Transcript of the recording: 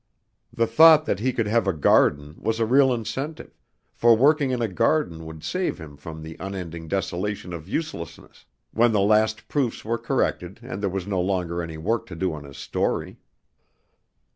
The thought that he could have a garden was a real incentive, for working in a garden would save him from the unending desolation of uselessness, when the last proofs were corrected and there was no longer any work to do on his story.